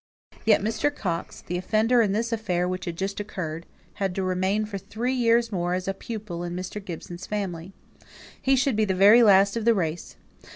Yet Mr. Coxe, the offender in this affair which had just occurred, had to remain for three years more as a pupil in Mr. Gibson's family. He should be the very last of the race.